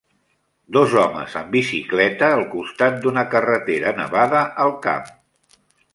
Dos homes amb bicicleta al costat d'una carretera nevada al camp.